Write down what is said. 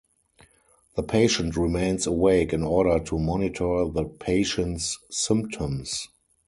The patient remains awake in order to monitor the patient's symptoms.